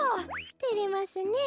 てれますねえ。